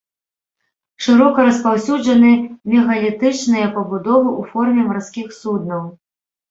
Шырока распаўсюджаны мегалітычныя пабудовы ў форме марскіх суднаў.